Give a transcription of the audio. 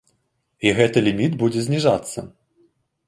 І гэты ліміт будзе зніжацца.